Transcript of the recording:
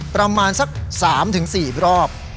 ประมาณสัก๓๔รอบ